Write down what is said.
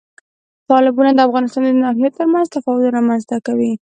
تالابونه د افغانستان د ناحیو ترمنځ تفاوتونه رامنځ ته کوي.